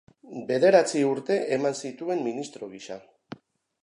Bederatzi urte eman zituen ministro gisa.